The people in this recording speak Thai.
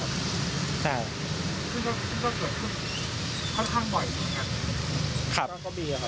ซึ่งก็ตรวจสุดค่อนข้างบ่อยอย่างนี้ครับ